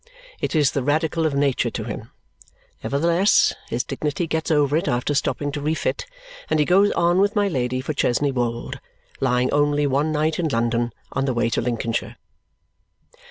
It is the Radical of Nature to him. Nevertheless, his dignity gets over it after stopping to refit, and he goes on with my Lady for Chesney Wold, lying only one night in London on the way to Lincolnshire.